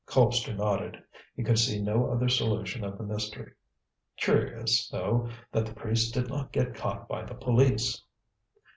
Colpster nodded. He could see no other solution of the mystery. "Curious, though, that the priest did not get caught by the police."